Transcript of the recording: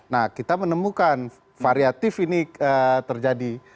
nah kita menemukan variatif ini terjadi